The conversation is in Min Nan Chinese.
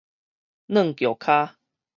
軁轎跤